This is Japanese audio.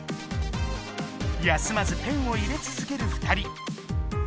休まずペンを入れ続ける二人。